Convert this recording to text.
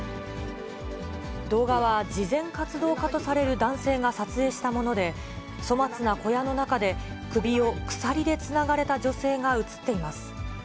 動画は慈善活動家とされる男性が撮影したもので、粗末な小屋の中で、首を鎖でつながれた女性が映っています。